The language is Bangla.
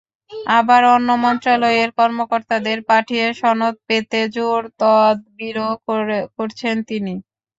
আবার অন্য মন্ত্রণালয়ের কর্মকর্তাদের পাঠিয়ে সনদ পেতে জোর তদবিরও করছেন তিনি।